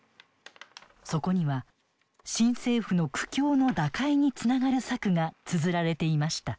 そこには新政府の苦境の打開につながる策がつづられていました。